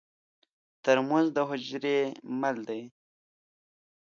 ترموز د حجرې مل دی.